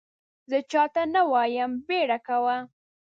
زه چا ته نه وایم بیړه کوه !